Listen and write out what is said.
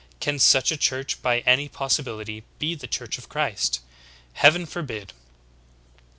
Can such a church by any possibiHty be the Church of Christ ? Heaven forbid